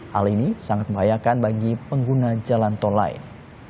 hal ini sangat membahayakan bagi pengguna jalan tol lain